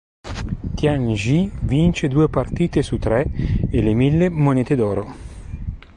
Tian Ji vince due partite su tre e le mille monete d'oro.